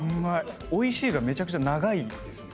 おいしいがめちゃくちゃ長いですね。